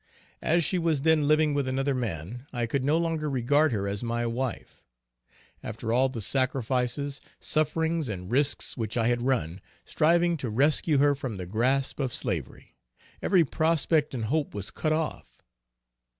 As she was then living with another man, I could no longer regard her as my wife. After all the sacrifices, sufferings, and risks which I had run, striving to rescue her from the grasp of slavery; every prospect and hope was cut off.